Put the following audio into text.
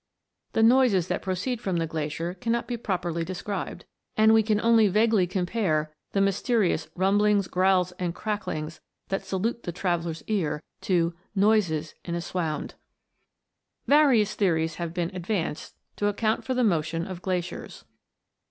The noises that proceed from the glacier cannot be properly described, and we can only vaguely com pare the mysterious rumblings, growls, and cracklings that salute the traveller's ear to "noises in a s wound." MOVING LANDS. 247 Various theories have been advanced to account for the motion of glaciers.